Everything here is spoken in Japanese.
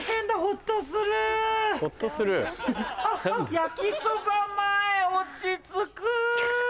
焼きそば前落ち着く！